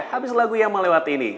habis lagu yang melewati ini